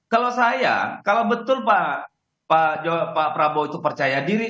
kalau saya kalau betul pak prabowo itu percaya diri